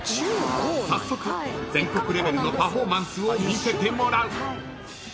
［早速全国レベルのパフォーマンスを見せてもらう］